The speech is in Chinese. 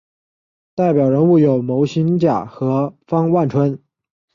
代表人物有牟兴甲和方万春。